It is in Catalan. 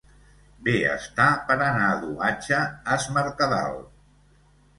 Bé està per anar a dur atxa as Mercadal!